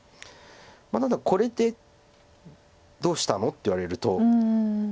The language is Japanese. ただこれでどうしたの？って言われると。